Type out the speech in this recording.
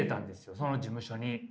その事務所に。